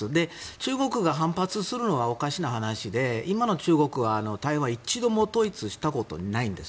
中国が反発するのはおかしな話で今の中国は台湾一度も統一したことないんです。